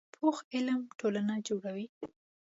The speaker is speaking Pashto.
پوخ علم ټولنه جوړوي